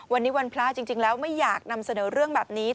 วันนี้วันพระจริงแล้วไม่อยากนำเสนอเรื่องแบบนี้